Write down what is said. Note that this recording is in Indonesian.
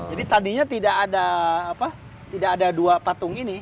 jadi tadinya tidak ada dua patung ini